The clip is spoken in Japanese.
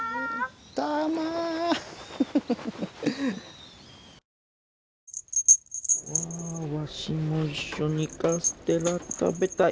玉！わわしも一緒にカステラ食べたい。